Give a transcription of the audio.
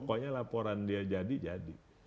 pokoknya laporan dia jadi jadi